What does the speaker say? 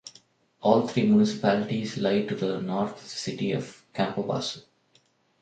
All three municipalities lie to the north of the city of Campobasso.